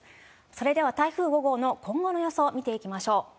それでは、台風５号の今後の予想、見ていきましょう。